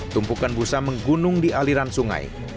tumpukan busa menggunung di aliran sungai